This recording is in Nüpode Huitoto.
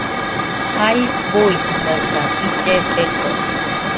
Jai buitɨkaɨsa , ille begode.